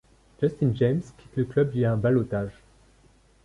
Justin James quitte le club via un ballottage.